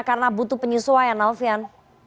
karena butuh penyesuaian alvian